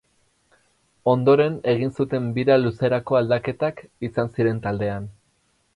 Ondoren egin zuten bira luzerako aldaketak izan ziren taldean.